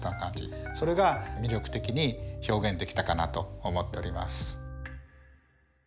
それが魅力的に表現できたかなと思っております。